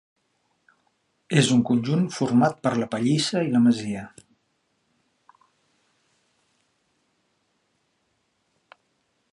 És un conjunt format per la pallissa i la masia.